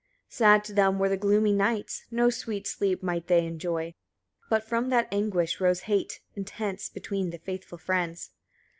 13. Sad to them were the gloomy nights, no sweet sleep might they enjoy: but from that anguish rose hate intense between the faithful friends.